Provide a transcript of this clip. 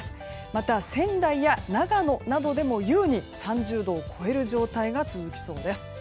また、仙台や長野などでも優に３０度を超える状態が続きそうです。